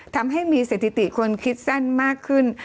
ทำให้มีสถิติคนคิดสั้นมากขึ้น